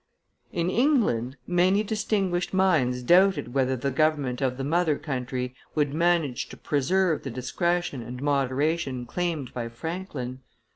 In England, many distinguished minds doubted whether the government of the mother country would manage to preserve the discretion and moderation claimed by Franklin.